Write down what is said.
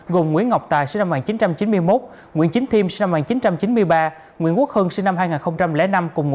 gồm nguyễn ngọc tài nguyễn chính thiêm nguyễn quốc hưng